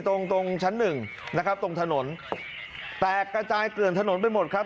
ตรงตรงชั้นหนึ่งนะครับตรงถนนแตกกระจายเกลื่อนถนนไปหมดครับ